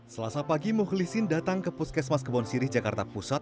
selasa pagi mukhlisin datang ke puskesmas kebonsiri jakarta pusat